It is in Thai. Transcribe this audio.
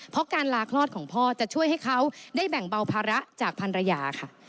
เพราะการลาคลอดของพ่อจะช่วยให้เขาได้แบ่งเบาภาระจากพันรยาค่ะ